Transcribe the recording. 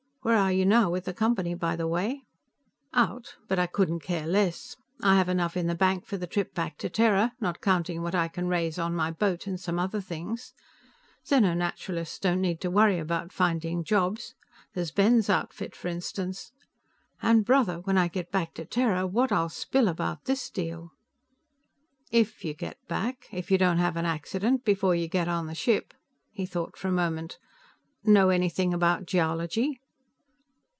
Where are you now, with the Company, by the way?" "Out, but I couldn't care less. I have enough in the bank for the trip back to Terra, not counting what I can raise on my boat and some other things. Xeno naturalists don't need to worry about finding jobs. There's Ben's outfit, for instance. And, brother, when I get back to Terra, what I'll spill about this deal!" "If you get back. If you don't have an accident before you get on the ship." He thought for a moment. "Know anything about geology?"